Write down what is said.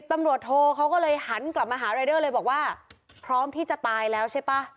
ตำรวจโทเขาก็เลยหันกลับมาหารายเดอร์เลยบอกว่าพร้อมที่จะตายแล้วใช่ป่ะ